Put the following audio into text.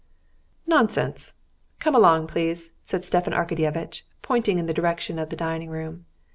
"Nonsense! Come along, please," said Stepan Arkadyevitch, pointing in the direction of the dining room.